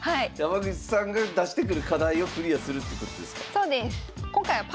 山口さんが出してくる課題をクリアするってことですか？